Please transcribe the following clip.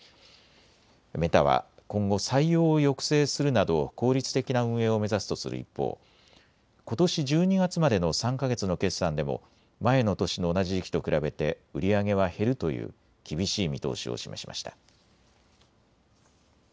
メタは今後、採用を抑制するなど効率的な運営を目指すとする一方、ことし１２月までの３か月の決算でも前の年の同じ時期と比べて売り上げは減るという厳しい見通しを示しました。